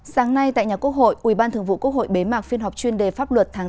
sáng nay tại nhà quốc hội ubthb bế mạc phiên họp chuyên đề pháp luật tháng bốn